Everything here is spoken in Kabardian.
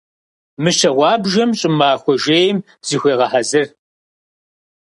Мыщэ гъуабжэм щӀымахуэ жейм зыхуегъэхьэзыр.